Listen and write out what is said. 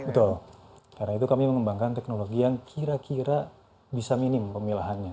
betul karena itu kami mengembangkan teknologi yang kira kira bisa minim pemilahannya